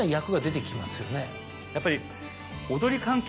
やっぱり。